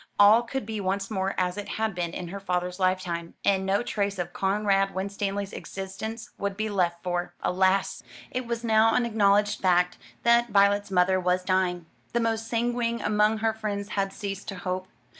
All could be once more as it had been in her father's lifetime; and no trace of Conrad Winstanley's existence would be left; for, alas! it was now an acknowledged fact that Violet's mother was dying. The most sanguine among her friends had ceased to hope.